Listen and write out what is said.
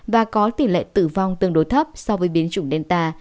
và có tỷ lệ tử vong tương đối thấp so với biến chủng delta